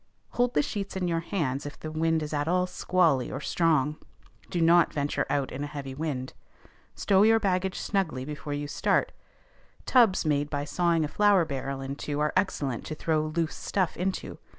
_ Hold the sheets in your hands if the wind is at all squally or strong. Do not venture out in a heavy wind. Stow your baggage snugly before you start: tubs made by sawing a flour barrel in two are excellent to throw loose stuff into.